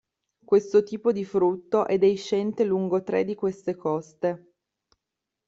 Questo tipo di frutto è deiscente lungo tre di queste coste.